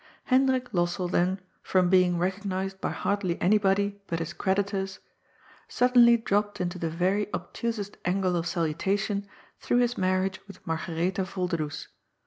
Hendrik Lossell, then, from being recognized by hardly anybody but his creditors, suddenly dropped into the very obtusest angle of salutation through his marriage with Mar garetha Yolderdoes.